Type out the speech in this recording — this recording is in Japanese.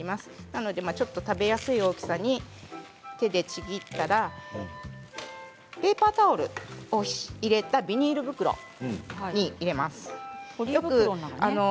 なので食べやすい大きさに手でちぎったらペーパータオルを入れたビニール袋に入れます。